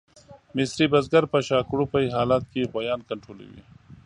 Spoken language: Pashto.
مصري بزګر په شاکړوپي حالت کې غویان کنټرولوي.